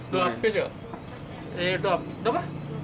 dua karton ya